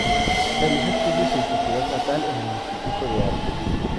Realizó estudios en su ciudad natal en el Instituto de Artes.